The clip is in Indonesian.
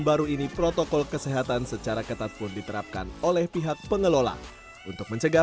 baru ini protokol kesehatan secara ketat pun diterapkan oleh pihak pengelola untuk mencegah